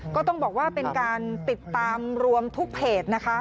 ก็ต้องบอกว่าเป็นการติดตามรวมทุกเพจนะคะ